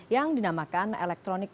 yang dinamakan elektronik